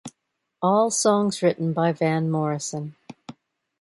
All songs written by Van Morrison.